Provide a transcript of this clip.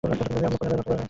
আমার পুনামের মতো।